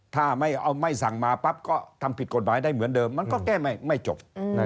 ถ้าไม่สั่งมาปั๊บก็ทำผิดกฎหมายได้เหมือนเดิมมันก็แก้ไม่จบ